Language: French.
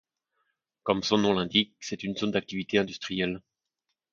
Comme son nom l'indique c'est une zone d'activités industrielles.